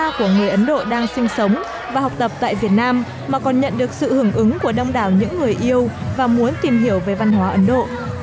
các gia đình của người ấn độ đang sinh sống và học tập tại việt nam mà còn nhận được sự hưởng ứng của đông đảo những người yêu và muốn tìm hiểu về văn hóa ấn độ